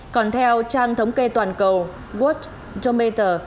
còn theo trang thống kê toàn cầu world domain